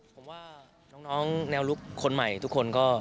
ผมว่าน้องแนวลุกคนใหม่ทุกคนก็